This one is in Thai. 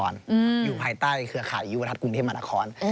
อยู่ภายใต้เครือข่ายยุวทัศนกรุงเทพมหานคร